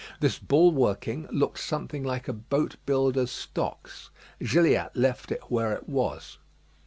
This bulwarking looked something like a boat builder's stocks. Gilliatt left it where it was.